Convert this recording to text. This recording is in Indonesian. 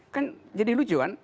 kan jadi lucu kan